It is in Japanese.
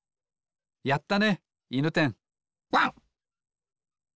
やったねいぬてんワン。